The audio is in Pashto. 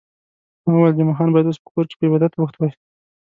ما وویل، جمعه خان باید اوس په کور کې په عبادت بوخت وای.